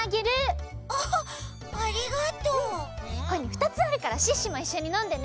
ふたつあるからシュッシュもいっしょにのんでね！